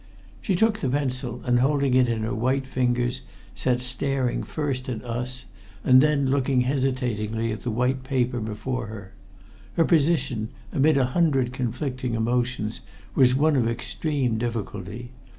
She took the pencil, and holding it in her white fingers sat staring first at us, and then looking hesitatingly at the white paper before her. Her position, amid a hundred conflicting emotions, was one of extreme difficulty.